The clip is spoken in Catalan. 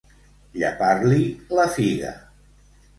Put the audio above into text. Llepar-li la figa.